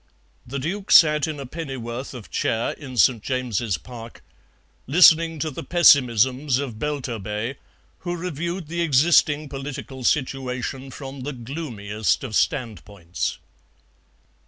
The Duke sat in a pennyworth of chair in St. James's Park, listening to the pessimisms of Belturbet, who reviewed the existing political situation from the gloomiest of standpoints.